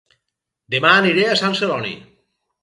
Dema aniré a Sant Celoni